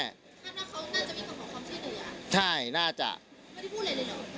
ครับแล้วเขาน่าจะวิ่งของของที่เหนือใช่น่าจะไม่ได้พูดอะไรเลยเหรอ